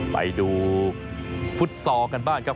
ไปดูฟุตซอลกันบ้างครับ